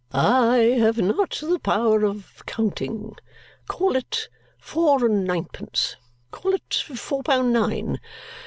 I have not the power of counting. Call it four and ninepence call it four pound nine.